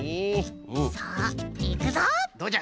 さあいくぞポン！